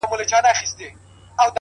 پر وظیفه عسکر ولاړ دی تلاوت کوي،